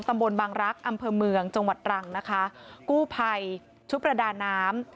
ตำบลบังรักษ์อำเภอเมืองจังหวัดตรังนะคะกู้ภัยชุดประดาน้ำ